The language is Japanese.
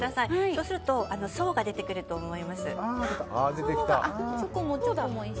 そうすると層が出てくると思います。